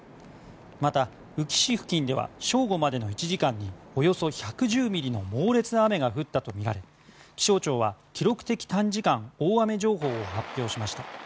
また、宇城市付近では正午までの１時間におよそ１１０ミリの猛烈な雨が降ったとみられ気象庁は記録的短時間大雨情報を発表しました。